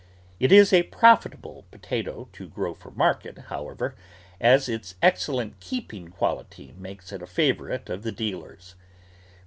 It* is a profitable potato to grow for market, however, as its excellent keeping quality makes it a favourite of the dealers.